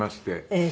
ええ。